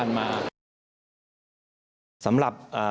สำหรับ